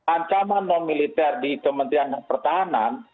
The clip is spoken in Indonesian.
ancaman non militer di kementerian pertahanan